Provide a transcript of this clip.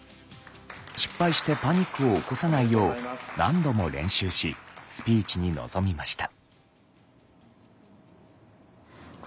失敗してパニックを起こさないよう何度も練習しスピーチに臨みました。